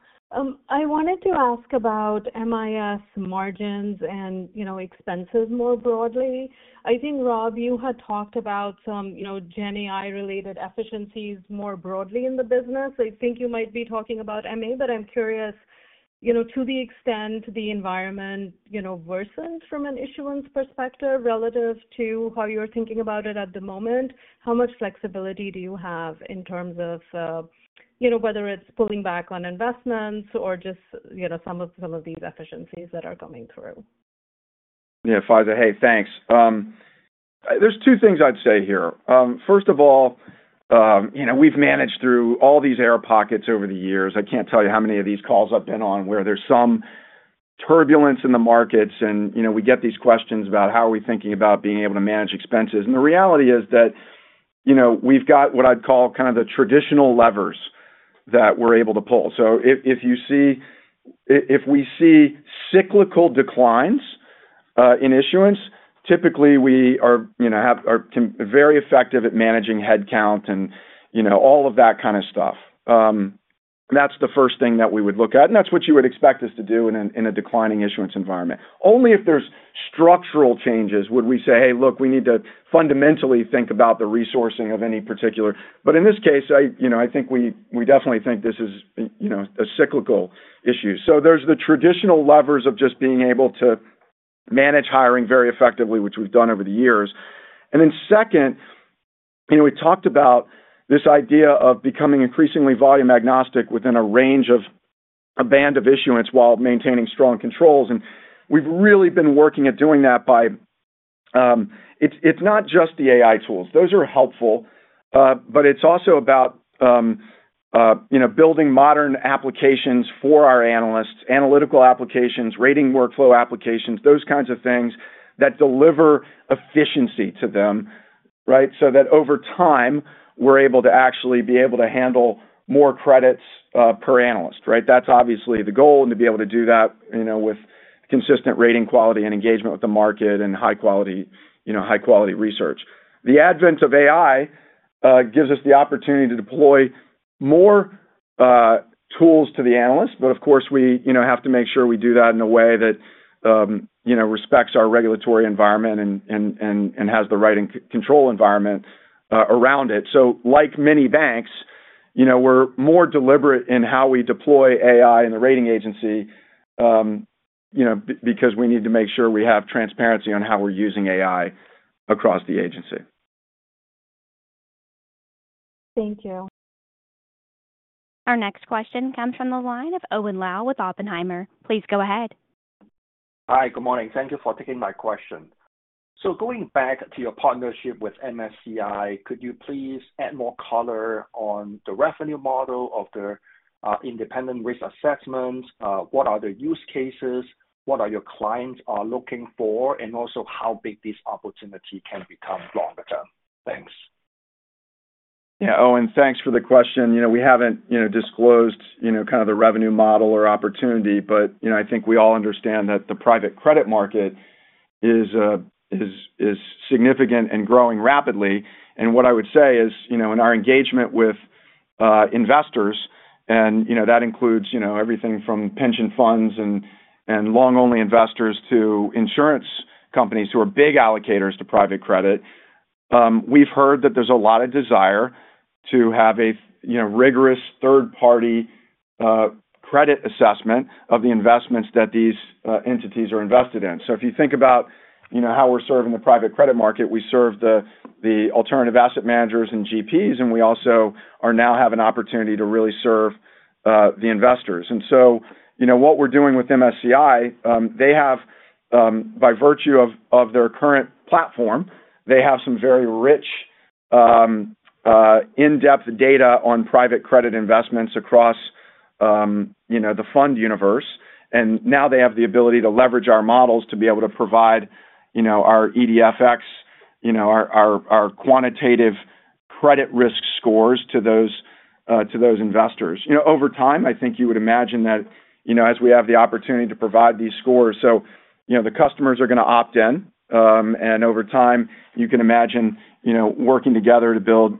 I wanted to ask about MIS margins and expenses more broadly. I think, Rob, you had talked about some GenAI-related efficiencies more broadly in the business. I think you might be talking about MA, but I'm curious to the extent the environment worsens from an issuance perspective relative to how you're thinking about it at the moment, how much flexibility do you have in terms of whether it's pulling back on investments or just some of these efficiencies that are coming through? Yeah. Faisa, hey, thanks. There's two things I'd say here. First of all, we've managed through all these air pockets over the years. I can't tell you how many of these calls I've been on where there's some turbulence in the markets, and we get these questions about how are we thinking about being able to manage expenses. The reality is that we've got what I'd call kind of the traditional levers that we're able to pull. If we see cyclical declines in issuance, typically, we are very effective at managing headcount and all of that kind of stuff. That's the first thing that we would look at, and that's what you would expect us to do in a declining issuance environment. Only if there's structural changes would we say, "Hey, look, we need to fundamentally think about the resourcing of any particular." In this case, I think we definitely think this is a cyclical issue. There are the traditional levers of just being able to manage hiring very effectively, which we've done over the years. Second, we talked about this idea of becoming increasingly volume agnostic within a range of a band of issuance while maintaining strong controls. We have really been working at doing that by it's not just the AI tools. Those are helpful, but it's also about building modern applications for our analysts, analytical applications, rating workflow applications, those kinds of things that deliver efficiency to them, right, so that over time, we're able to actually be able to handle more credits per analyst, right? That's obviously the goal, and to be able to do that with consistent rating quality and engagement with the market and high-quality research. The advent of AI gives us the opportunity to deploy more tools to the analysts, but of course, we have to make sure we do that in a way that respects our regulatory environment and has the right control environment around it. Like many banks, we're more deliberate in how we deploy AI in the rating agency because we need to make sure we have transparency on how we're using AI across the agency. Thank you. Our next question comes from the line of Owen Lau with Oppenheimer. Please go ahead. Hi. Good morning. Thank you for taking my question. Going back to your partnership with MSCI, could you please add more color on the revenue model of the independent risk assessments? What are the use cases? What are your clients looking for? Also, how big this opportunity can become longer term? Thanks. Yeah. Owen, thanks for the question. We haven't disclosed kind of the revenue model or opportunity, but I think we all understand that the private credit market is significant and growing rapidly. What I would say is in our engagement with investors, and that includes everything from pension funds and long-only investors to insurance companies who are big allocators to private credit, we've heard that there's a lot of desire to have a rigorous third-party credit assessment of the investments that these entities are invested in. If you think about how we're serving the private credit market, we serve the alternative asset managers and GPs, and we also now have an opportunity to really serve the investors. What we're doing with MSCI, they have, by virtue of their current platform, some very rich in-depth data on private credit investments across the fund universe. Now they have the ability to leverage our models to be able to provide our EDFX, our quantitative credit risk scores to those investors. Over time, I think you would imagine that as we have the opportunity to provide these scores, the customers are going to opt in. Over time, you can imagine working together to build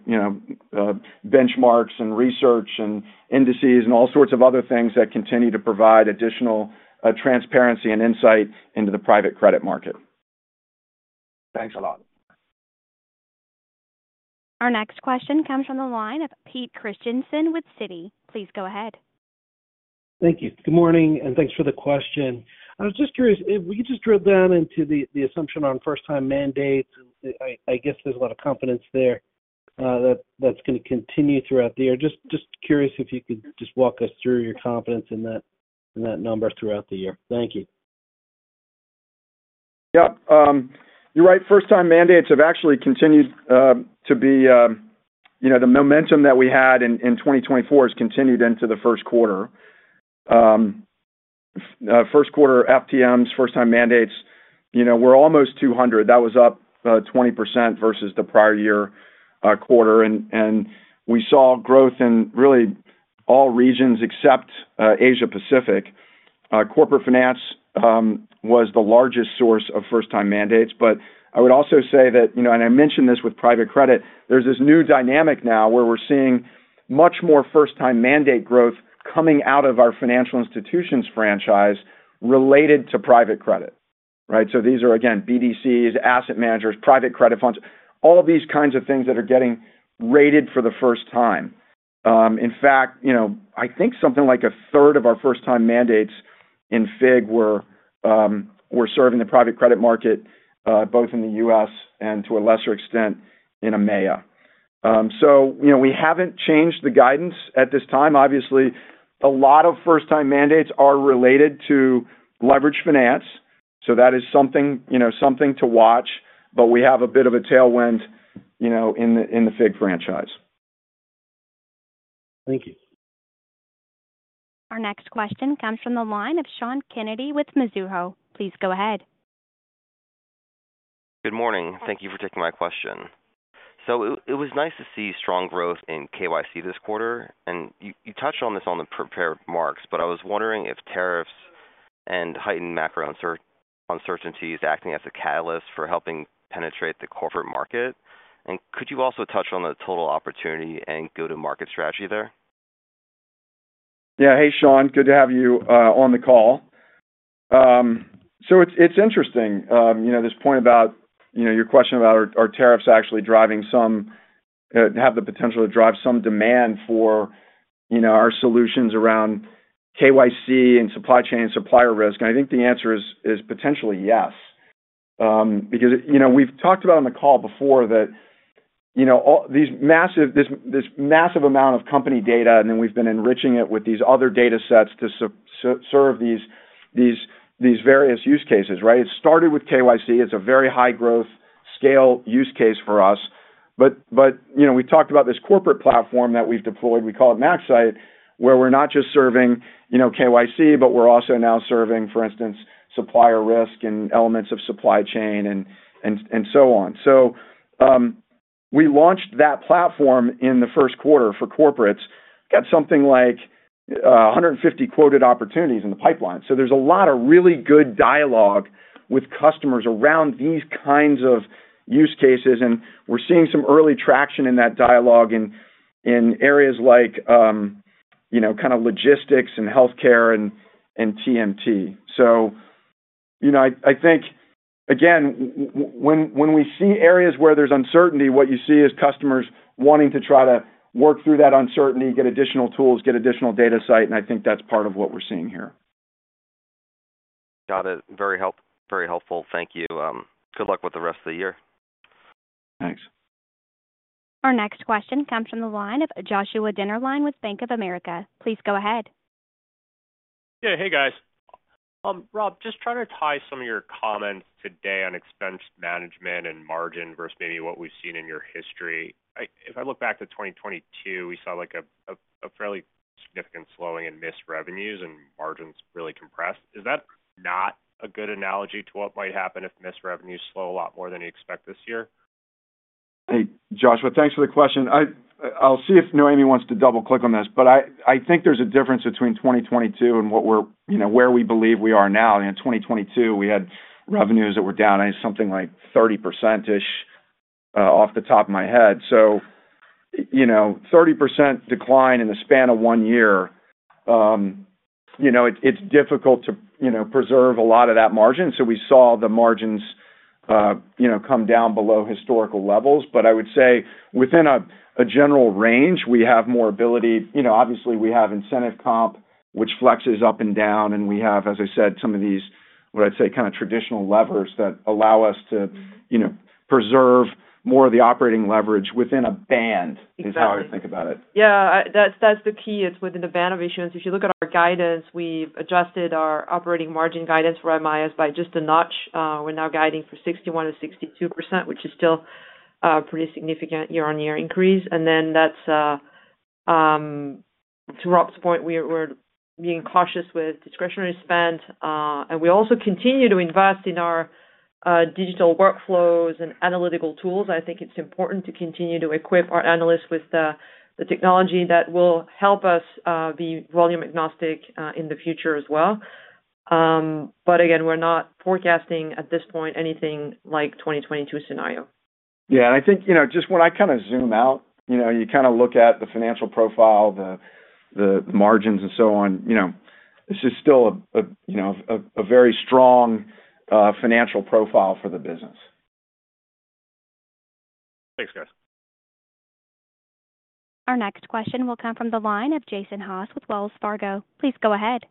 benchmarks and research and indices and all sorts of other things that continue to provide additional transparency and insight into the private credit market. Thanks a lot. Our next question comes from the line of Peter Christiansen with Citigroup. Please go ahead. Thank you. Good morning, and thanks for the question. I was just curious, if we could just drill down into the assumption on first-time mandates, I guess there is a lot of confidence there that is going to continue throughout the year. Just curious if you could just walk us through your confidence in that number throughout the year. Thank you. Yep. You are right. First-time mandates have actually continued to be the momentum that we had in 2024 has continued into the first quarter. First-quarter FTMs, first-time mandates, were almost 200. That was up 20% versus the prior year quarter. We saw growth in really all regions except Asia-Pacific. Corporate finance was the largest source of first-time mandates. I would also say that, and I mentioned this with private credit, there is this new dynamic now where we are seeing much more first-time mandate growth coming out of our financial institutions franchise related to private credit, right? These are, again, BDCs, asset managers, private credit funds, all these kinds of things that are getting rated for the first time. In fact, I think something like a third of our first-time mandates in FIG were serving the private credit market both in the US and to a lesser extent in EMEA. We have not changed the guidance at this time. Obviously, a lot of first-time mandates are related to leveraged finance. That is something to watch, but we have a bit of a tailwind in the FIG franchise. Thank you. Our next question comes from the line of Sean Kennedy with Mizuho. Please go ahead. Good morning. Thank you for taking my question. It was nice to see strong growth in KYC this quarter. You touched on this in the prepared marks, but I was wondering if tariffs and heightened macro uncertainties are acting as a catalyst for helping penetrate the corporate market. Could you also touch on the total opportunity and go-to-market strategy there? Yeah. Hey, Sean. Good to have you on the call. It is interesting, this point about your question about are tariffs actually driving some have the potential to drive some demand for our solutions around KYC and supply chain and supplier risk. I think the answer is potentially yes because we have talked about on the call before that this massive amount of company data, and then we have been enriching it with these other data sets to serve these various use cases, right? It started with KYC. It is a very high-growth scale use case for us. We talked about this corporate platform that we have deployed. We call it Maxite, where we are not just serving KYC, but we are also now serving, for instance, supplier risk and elements of supply chain and so on. We launched that platform in the first quarter for corporates. We got something like 150 quoted opportunities in the pipeline. There is a lot of really good dialogue with customers around these kinds of use cases. We are seeing some early traction in that dialogue in areas like logistics and healthcare and TMT. I think, again, when we see areas where there is uncertainty, what you see is customers wanting to try to work through that uncertainty, get additional tools, get additional data site. I think that is part of what we are seeing here. Got it. Very helpful. Thank you. Good luck with the rest of the year. Thanks. Our next question comes from the line of Joshua Dinnerline with Bank of America. Please go ahead. Yeah. Hey, guys. Rob, just trying to tie some of your comments today on expense management and margin versus maybe what we have seen in your history. If I look back to 2022, we saw a fairly significant slowing in MIS revenues and margins really compressed. Is that not a good analogy to what might happen if MIS revenues slow a lot more than you expect this year? Hey, Joshua, thanks for the question. I'll see if Noémie wants to double-click on this, but I think there's a difference between 2022 and where we believe we are now. In 2022, we had revenues that were down something like 30%-ish off the top of my head. A 30% decline in the span of one year, it's difficult to preserve a lot of that margin. We saw the margins come down below historical levels. I would say within a general range, we have more ability. Obviously, we have incentive comp, which flexes up and down. We have, as I said, some of these, what I'd say, kind of traditional levers that allow us to preserve more of the operating leverage within a band is how I think about it. Yeah. That's the key. It's within the band of issuance. If you look at our guidance, we've adjusted our operating margin guidance for MIS by just a notch. We're now guiding for 61-62%, which is still a pretty significant year-on-year increase. To Rob's point, we're being cautious with discretionary spend. We also continue to invest in our digital workflows and analytical tools. I think it's important to continue to equip our analysts with the technology that will help us be volume agnostic in the future as well. Again, we're not forecasting at this point anything like 2022 scenario. Yeah. I think just when I kind of zoom out, you kind of look at the financial profile, the margins, and so on, this is still a very strong financial profile for the business. Thanks, guys. Our next question will come from the line of Jason Haas with Wells Fargo. Please go ahead.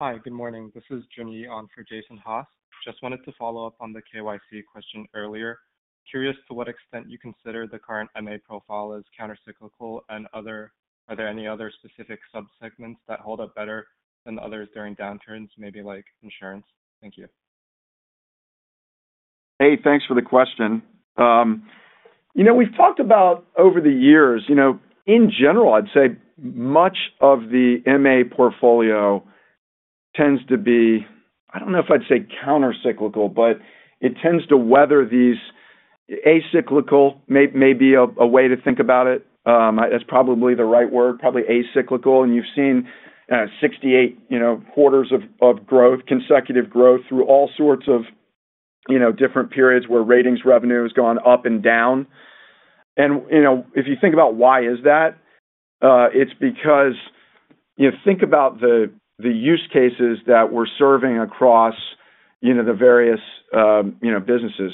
Hi. Good morning. This is Junyi, on for Jason Haas. Just wanted to follow up on the KYC question earlier. Curious to what extent you consider the current MA profile as countercyclical and are there any other specific subsegments that hold up better than others during downturns, maybe like insurance? Thank you. Hey, thanks for the question. We've talked about over the years, in general, I'd say much of the MA portfolio tends to be, I don't know if I'd say countercyclical, but it tends to weather these acyclical, maybe a way to think about it. That's probably the right word, probably acyclical. You've seen 68 quarters of growth, consecutive growth through all sorts of different periods where ratings revenue has gone up and down. If you think about why is that, it's because think about the use cases that we're serving across the various businesses.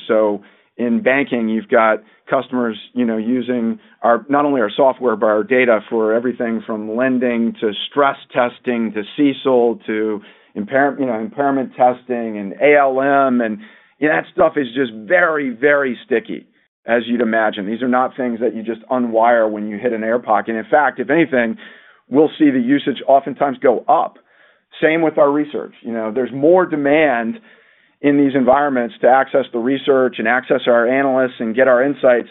In banking, you've got customers using not only our software but our data for everything from lending to stress testing to CECL to impairment testing and ALM. That stuff is just very, very sticky, as you'd imagine. These are not things that you just unwire when you hit an air pocket. In fact, if anything, we'll see the usage oftentimes go up. Same with our research. There's more demand in these environments to access the research and access our analysts and get our insights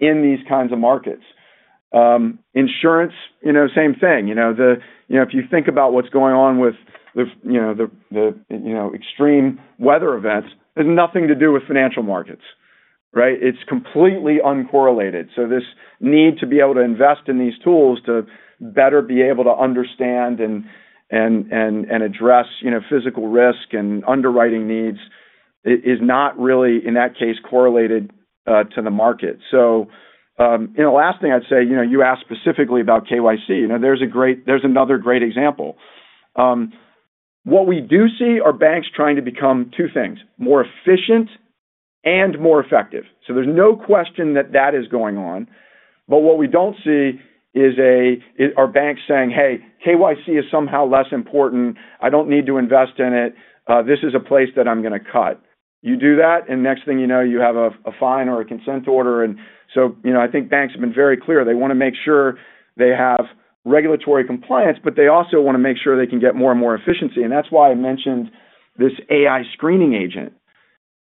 in these kinds of markets. Insurance, same thing. If you think about what's going on with the extreme weather events, it has nothing to do with financial markets, right? It's completely uncorrelated. This need to be able to invest in these tools to better be able to understand and address physical risk and underwriting needs is not really, in that case, correlated to the market. The last thing I'd say, you asked specifically about KYC. There's another great example. What we do see are banks trying to become two things: more efficient and more effective. There's no question that that is going on. What we don't see is our banks saying, "Hey, KYC is somehow less important. I don't need to invest in it. This is a place that I'm going to cut." You do that, and next thing you know, you have a fine or a consent order. I think banks have been very clear. They want to make sure they have regulatory compliance, but they also want to make sure they can get more and more efficiency. That is why I mentioned this AI screening agent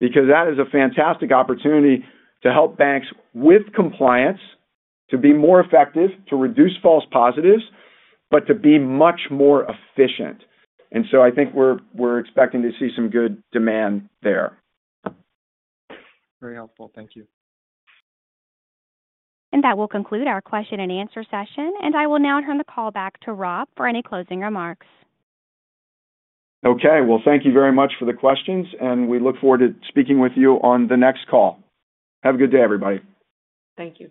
because that is a fantastic opportunity to help banks with compliance to be more effective, to reduce false positives, but to be much more efficient. I think we are expecting to see some good demand there. Very helpful. Thank you. That will conclude our question and answer session. I will now turn the call back to Rob for any closing remarks. Thank you very much for the questions. We look forward to speaking with you on the next call. Have a good day, everybody. Thank you.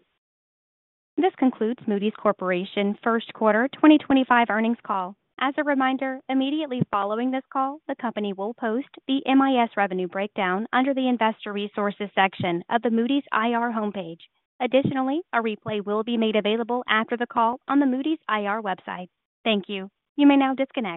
This concludes Moody's Corporation First Quarter 2025 earnings call. As a reminder, immediately following this call, the company will post the MIS revenue breakdown under the investor resources section of the Moody's IR homepage. Additionally, a replay will be made available after the call on the Moody's Corporation IR website. Thank you. You may now disconnect.